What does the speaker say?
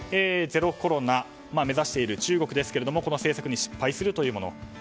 ゼロコロナを目指している中国ですがこの政策に失敗するというもの。